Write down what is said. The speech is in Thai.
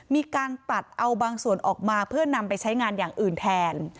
มีการตัดเอาบางส่วนออกมาเพื่อนำไปใช้งานอย่างอื่นแทน